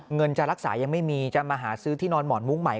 เงินจะรักษายังไม่มีจะมาหาซื้อที่นอนหมอนมุ้งใหม่